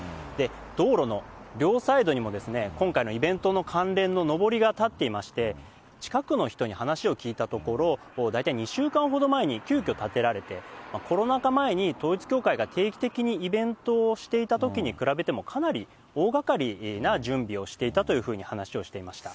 道路の両サイドにも、今回のイベントの関連ののぼりが立っていまして、近くの人に話を聞いたところ、大体２週間ほど前に急きょたてられて、コロナ禍前に統一教会が定期的にイベントをしていたときに比べてもかなり大がかりな準備をしていたというふうに話していました。